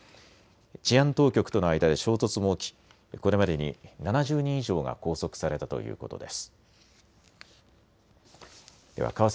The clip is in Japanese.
治安当局との間で衝突も起きこれまでに７０人以上が拘束されたということです。